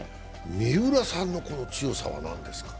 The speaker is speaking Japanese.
三浦さんの強さは何ですか？